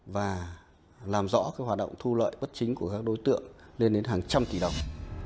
và làm rõ hoạt động thu lợi bất chính của các đối tượng lên đến hàng trăm tỷ đồng